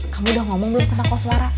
kamu udah ngomong belum sama koswara